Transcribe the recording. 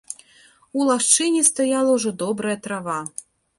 У лагчыне стаяла ўжо добрая трава.